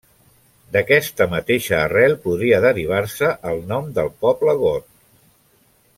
D'aquesta mateixa arrel podria derivar-se el nom del poble got.